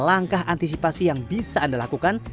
langkah antisipasi yang bisa anda lakukan